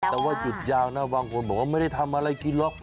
แต่ว่าหยุดยาวนะบางคนบอกว่าไม่ได้ทำอะไรกินหรอก